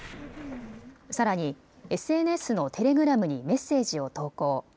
さらに、ＳＮＳのテレグラムにメッセージを投稿。